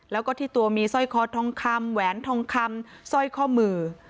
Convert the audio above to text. แล้วก็ที่ตัวมีสร้อยคอทองคำแหวนทองคำสร้อยข้อมือ